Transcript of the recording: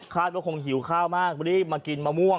ว่าคงหิวข้าวมากรีบมากินมะม่วง